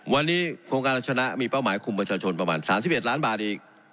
วันนี้โครงการรัชนะมีเป้าหมายคุมประชาชนประมาณ๓๑ล้านบาทอีก